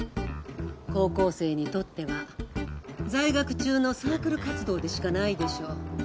高校生にとっては在学中のサークル活動でしかないでしょう。